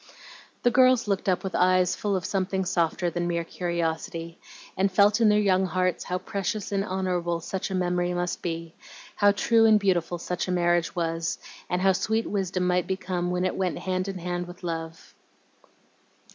The girls looked up with eyes full of something softer than mere curiosity, and felt in their young hearts how precious and honorable such a memory must be, how true and beautiful such a marriage was, and how sweet wisdom might become when it went hand in hand with love.